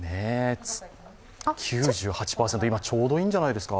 ９８％、今ちょうどいいんじゃないですか？